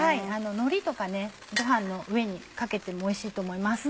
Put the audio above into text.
のりとかご飯の上にかけてもおいしいと思います。